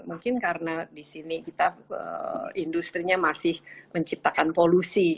mungkin karena di sini kita industrinya masih menciptakan polusi